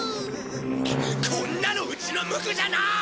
こんなのうちのムクじゃない！